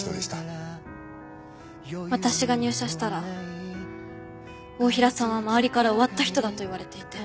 私が入社したら太平さんは周りから終わった人だと言われていて。